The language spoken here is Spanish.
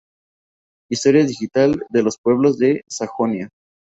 Historia digital de los pueblos de Sajonia.